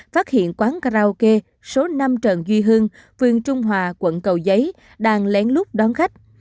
phát hiện quán karaoke số năm trần duy hưng phường trung hòa quận cầu giấy đang lén lút đón khách